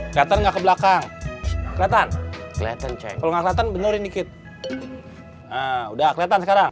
kata enggak ke belakang kereta selatan cek kalau enggak keren benerin dikit udah kereta sekarang